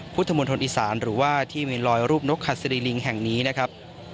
พุทธมนตร์อิสานหรือว่าที่เมลอยรูปนกฮสิริริงแห่งนี้นะครับ